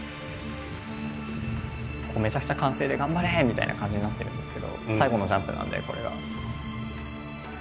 ここめちゃくちゃ歓声で「頑張れ！」みたいな感じになってるんですけど最後のジャンプなんでこれが。